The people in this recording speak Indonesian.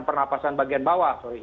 pernafasan bagian bawah